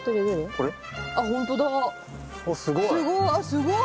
すごい。